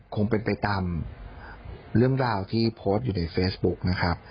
คงเป็นไปตามเรื่องราวที่โพสต์อยู่ในเฟซบุ๊กนะครับ